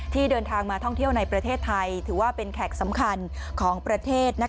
เดินทางมาท่องเที่ยวในประเทศไทยถือว่าเป็นแขกสำคัญของประเทศ